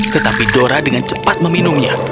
tetapi dora dengan cepat meminumnya